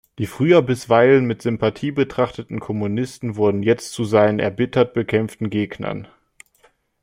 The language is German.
Die früher bisweilen mit Sympathie betrachteten Kommunisten wurden jetzt zu seinen erbittert bekämpften Gegnern.